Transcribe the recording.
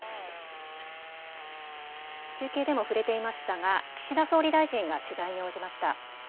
中継でも触れていましたが、岸田総理大臣が取材に応じました。